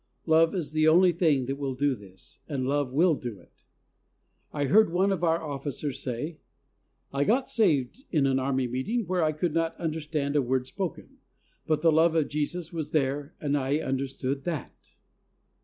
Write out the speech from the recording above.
Love is the only thing that will do this, and love will do it. I heard one of our officers say: "I got saved in an Army meeting where I could not understand a word spoken. But the love of Jesus was there and I understood that."